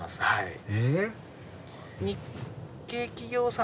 はい。